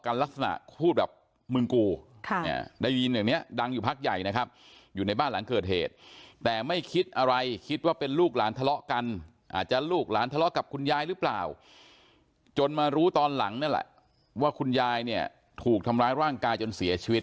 ลักษณะพูดแบบมึงกูได้ยินอย่างเนี้ยดังอยู่พักใหญ่นะครับอยู่ในบ้านหลังเกิดเหตุแต่ไม่คิดอะไรคิดว่าเป็นลูกหลานทะเลาะกันอาจจะลูกหลานทะเลาะกับคุณยายหรือเปล่าจนมารู้ตอนหลังนั่นแหละว่าคุณยายเนี่ยถูกทำร้ายร่างกายจนเสียชีวิต